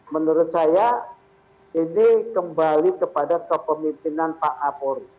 menurut saya ini kembali kepada kepemimpinan pak kapolri